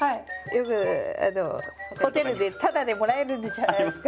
よくホテルでただでもらえるじゃないですか。